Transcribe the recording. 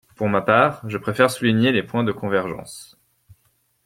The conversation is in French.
Pour ma part, je préfère souligner les points de convergence.